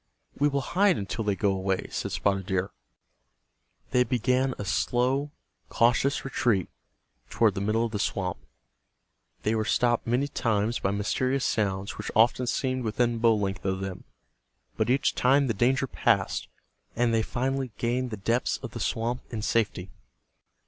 "We will hide until they go away," said Spotted Deer. They began a slow, cautious retreat toward the middle of the swamp. They were stopped many times by mysterious sounds which often seemed within bow length of them, but each time the danger passed, and they finally gained the depths of the swamp in safety.